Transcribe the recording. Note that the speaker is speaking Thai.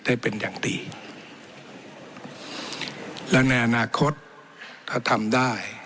ได้เป็นอย่างดีและในอนาคตถ้าทำได้